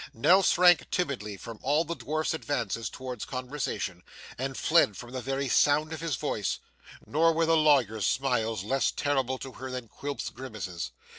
Nell shrank timidly from all the dwarf's advances towards conversation, and fled from the very sound of his voice; nor were the lawyer's smiles less terrible to her than Quilp's grimaces.